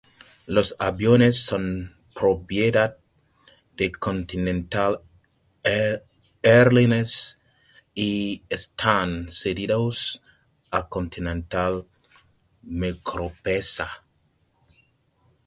Los aviones son propiedad de Continental Airlines y están cedidos a Continental Micronesia.